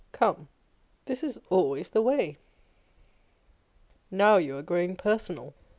Come, this is always the way. Now you are growing personal.